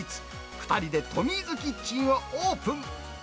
２人でトミーズキッチンをオープン。